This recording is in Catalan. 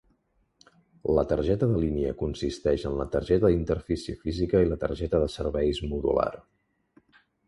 La targeta de línia consisteix en la targeta d'interfície física i la targeta de serveis modular.